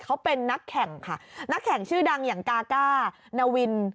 เขาเป็นนักแข่งค่ะนักแข่งชื่อดังอย่างกาก้านาวิน